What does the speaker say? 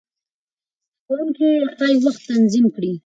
زده کوونکي ښايي وخت تنظیم کړي.